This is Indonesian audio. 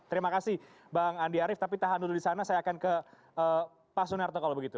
terima kasih bang andi arief tapi tahan dulu di sana saya akan ke pak sunarto kalau begitu